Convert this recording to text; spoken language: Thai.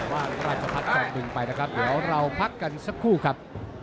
ราชพัฒน์จอมบึงไปนะครับเดี๋ยวเราพักกันสักครู่ครับ